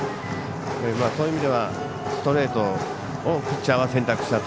そういう意味ではストレートをピッチャーは選択したと。